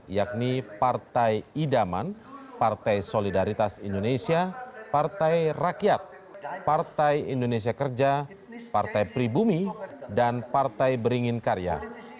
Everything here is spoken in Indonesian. yakni partai idaman partai solidaritas indonesia partai rakyat partai indonesia kerja partai pribumi dan partai beringin karya